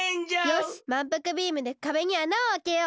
よしまんぷくビームでかべにあなをあけよう！